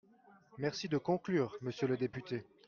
Merci de conclure, monsieur le député.